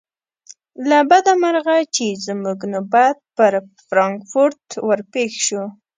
له بده مرغه چې زموږ نوبت پر فرانکفورت ور پیښ شو.